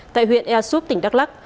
tại huyện ea suốt tỉnh đắk lắc